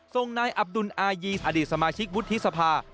ส่งนายอับดุลอายีอดีตสมาชิกวุฒิสภา